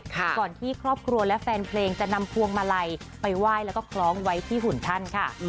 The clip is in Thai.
ก่อนที่ครอบครัวและแฟนเพลงจะนำพวงมาลัยไปไหว้แล้วก็คล้องไว้ที่หุ่นท่านค่ะ